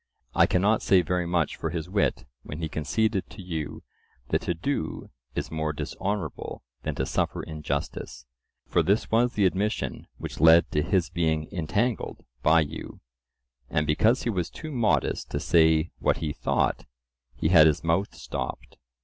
I cannot say very much for his wit when he conceded to you that to do is more dishonourable than to suffer injustice, for this was the admission which led to his being entangled by you; and because he was too modest to say what he thought, he had his mouth stopped.